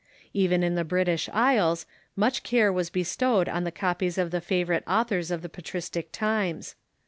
Even in the British Isles much care was bestowed on the coj)ies of the favorite authors of the pa tristic times.